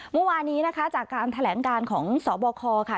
เมื่อวานนี้นะคะจากการแถลงการของสบคค่ะ